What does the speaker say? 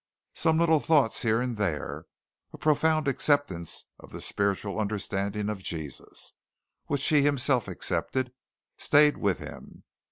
Some little thoughts here and there a profound acceptance of the spiritual understanding of Jesus, which he himself accepted, stayed with him.